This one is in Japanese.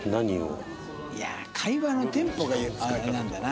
いや会話のテンポがあれなんだな。